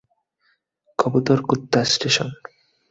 কবুতর, কুত্তা, স্টেশন।